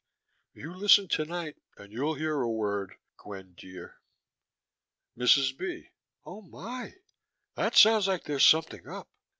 You listen tonight and you'll hear a word, Gwen dear. MRS. B.: Oh, my. That sounds like there's something up.